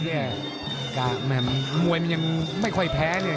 แหม่มมวยมันยังไม่ค่อยแพ้เนี่ย